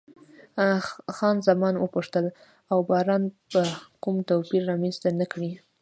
خان زمان وپوښتل، او باران به کوم توپیر رامنځته نه کړي؟